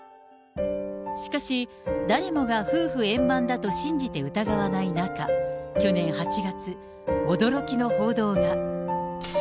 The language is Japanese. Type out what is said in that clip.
しかし、誰もが夫婦円満だと信じて疑わない中、去年８月、驚きの報道が。